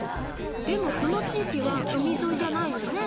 でもこの地域は海ぞいじゃないよね？